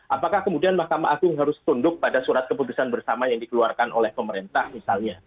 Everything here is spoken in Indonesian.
apakah kemudian mahkamah agung harus tunduk pada surat keputusan bersama yang dikeluarkan oleh pemerintah misalnya